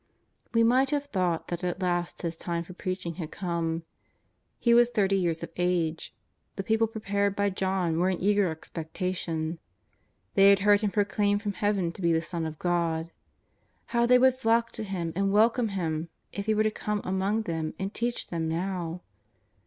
We m.ight have thought that at last His time for preaching had come. He was thirty years of age; the people prepared by John were in eager expectation. They had heard Him proclaimed from Heaven to be the Son of God. How they would flock to Him and welcome Him if He were to come among them and teach them now